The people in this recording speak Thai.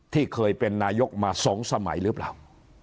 ที่เคยเป็นนายกมา๒สมัยหรือเปล่า